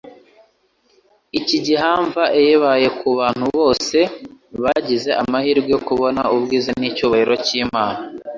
Iki gihamva eyabaye ku bantu bose bagize amahirwe yo kubona ubwiza n'icyubahiro cy'Imana.